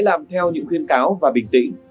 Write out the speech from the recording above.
làm theo những khuyên cáo và bình tĩnh